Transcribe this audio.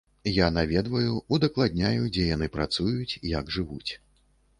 Я наведваю, удакладняю, дзе яны працуюць, як жывуць.